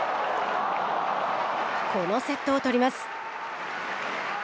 このセットを取ります。